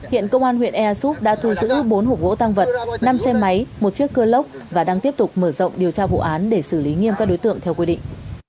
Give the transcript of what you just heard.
hiện công an huyện ea súp đã thu giữ bốn hộp gỗ tăng vật năm xe máy một chiếc cơ lốc và đang tiếp tục mở rộng điều tra vụ án để xử lý nghiêm các đối tượng theo quy định